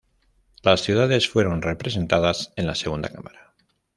Las ciudades fueron representadas en la segunda cámara.